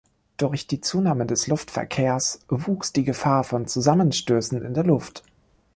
Durch die Zunahme des Luftverkehrs wuchs die Gefahr von Zusammenstößen in der Luft.